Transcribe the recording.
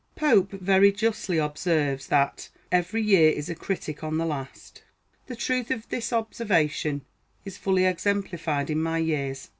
Pope very justly observes, that "every year is a critic on the last." The truth of this observation is fully exemplified in my years.